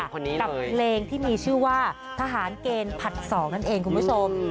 กับเพลงที่มีชื่อว่าทหารเกณฑ์ผัด๒นั่นเองคุณผู้ชม